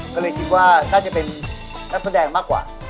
ก็เลยคิดว่าน่าจะเป็นนักแสดงมากกว่า